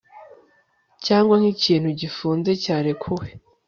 Cyangwa nkikintu gifunze cyarekuwe